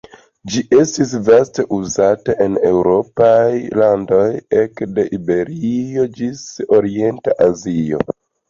Ĝi estis vaste uzata en eŭropaj landoj ekde Iberio ĝis orienta Azio.